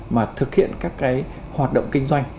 mà thực hiện các hoạt động kinh doanh